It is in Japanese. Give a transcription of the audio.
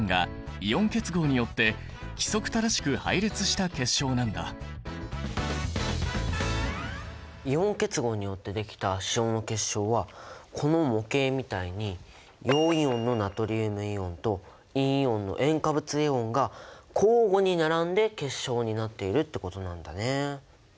イオン結晶はこの塩のようにイオン結合によってできた塩の結晶はこの模型みたいに陽イオンのナトリウムイオンと陰イオンの塩化物イオンが交互に並んで結晶になっているってことなんだね。